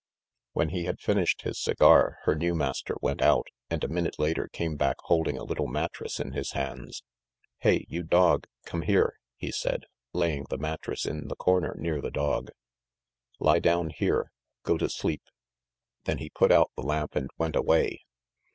When he had finished his cigar her new master went out, and a minute later came back holding a little mattress in his hands. "Hey, you dog, come here!" he said, laying the mattress in the corner near the dog. "Lie down here, go to sleep!" Then he put out the lamp and went away.